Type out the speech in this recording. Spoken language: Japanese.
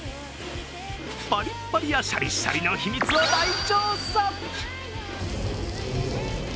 パリパリやシャリシャリの秘密を大調査。